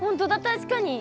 確かに。